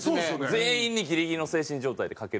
全員にギリギリの精神状態でかける。